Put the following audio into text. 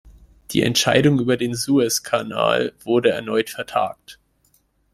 Die Entscheidung über den Suezkanal wurde erneut vertagt.